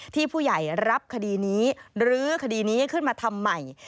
ที่ผู้ใหญ่รับคดีนี้รื้อคดีนี้ขึ้นมาทำใหม่